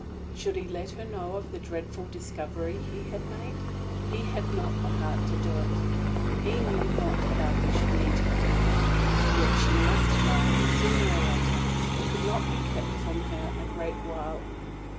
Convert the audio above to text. Should he let her know of the dreadful discovery he had made? He had not the heart to do it. He knew not how he should meet her. Yet she must know it, sooner or later. It could not be kept from her a great while.